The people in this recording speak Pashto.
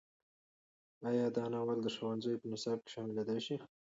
ایا دا ناول د ښوونځیو په نصاب کې شاملېدی شي؟